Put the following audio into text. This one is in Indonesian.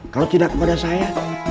kalo tidak kepada saya